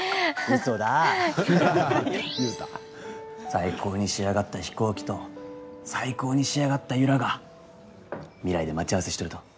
最高に仕上がった飛行機と最高に仕上がった由良が未来で待ち合わせしとると。